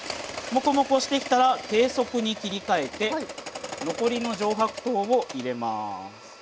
モコモコしてきたら低速に切り替えて残りの上白糖を入れます。